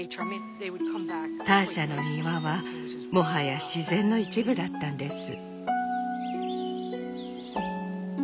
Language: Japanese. ターシャの庭はもはや自然の一部だったんです。